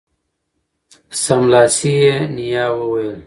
سملاسي یې نیا وویل